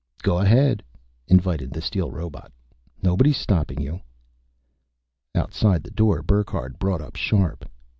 "Go ahead," invited the steel robot. "Nobody's stopping you." Outside the door, Burckhardt brought up sharp.